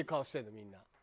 みんな。